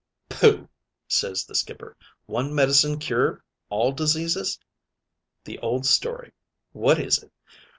"'Pooh!' ses the skipper. 'One medicine cure all diseases! The old story. What is it?